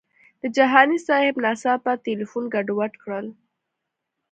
د جهاني صاحب ناڅاپه تیلفون ګډوډ کړل.